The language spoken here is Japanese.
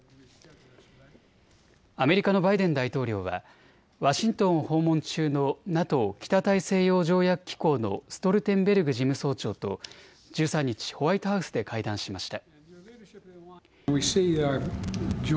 アメリカのバイデン大統領はワシントンを訪問中のＮＡＴＯ・北大西洋条約機構のストルテンベルグ事務総長と１３日、ホワイトハウスで会談しました。